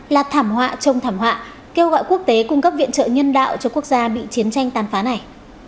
là thảm họa trong thảm họa kêu gọi quốc tế cung cấp viện trợ nhân đạo cho quốc gia bị chiến tranh tàn phá này